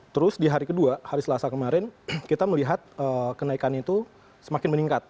terus di hari kedua hari selasa kemarin kita melihat kenaikan itu semakin meningkat